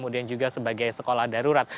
dan juga sebagai sekolah darurat